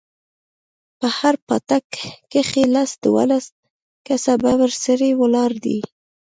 په هر پاټک کښې لس دولس کسه ببر سري ولاړ دي.